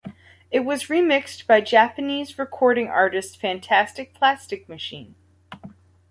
It was remixed by Japanese recording artist Fantastic Plastic Machine.